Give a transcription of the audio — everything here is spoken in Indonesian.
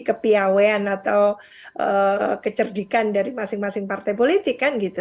kepiawean atau kecerdikan dari masing masing partai politik